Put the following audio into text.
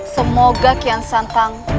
semoga kian santang